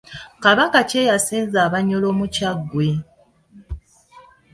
Kabaka ki eyasenza Abanyoro mu Kyaggwe?